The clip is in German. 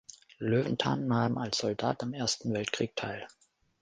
Löwenthal nahm als Soldat am Ersten Weltkrieg teil.